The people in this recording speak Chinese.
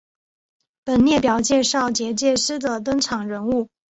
本列表介绍结界师的登场人物。